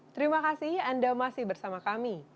terima kasih anda masih bersama kami